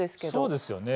そうですよね。